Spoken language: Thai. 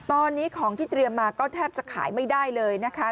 ตอนนี้ของที่เตรียมมาก็แทบจะขายไม่ได้เลยนะคะ